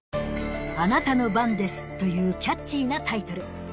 『あなたの番です』というキャッチーなタイトル